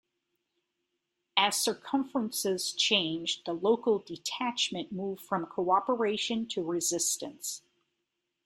As circumstances changed, the Local Detachment moved from cooperation to resistance.